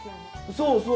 そうそう。